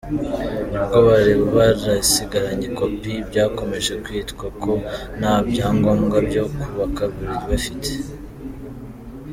N’ubwo bari barasigaranye copie byakomeje kwitwa ko nta byangombwa byo kubaka bari bafite.